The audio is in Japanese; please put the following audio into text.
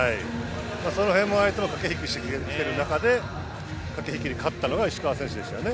その辺も相手も駆け引きしてきている中で駆け引きに勝ったのが石川選手でしたよね。